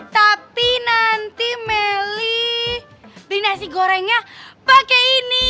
tapi nanti meli beliin nasi gorengnya pakai ini